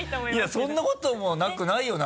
そんなこともなくないよな？